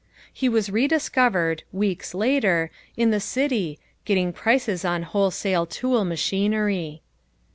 He was re discovered weeks later in the city, getting prices on wholesale tool machinery.